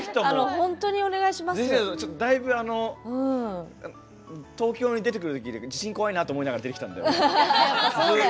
だいぶ東京に出てくるとき地震怖いなと思いながら出てきたので。